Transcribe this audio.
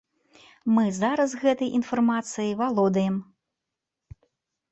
Мы зараз гэтай інфармацыяй валодаем.